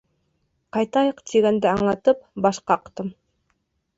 Ҡайтайыҡ, тигәнде аңлатып баш ҡаҡтым.